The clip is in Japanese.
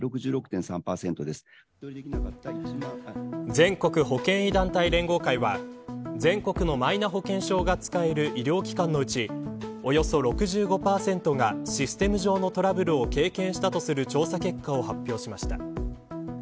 全国保険医団体連合会は全国のマイナ保険証が使える医療機関のうちおよそ６５％がシステム上のトラブルを経験したとする調査結果を発表しました。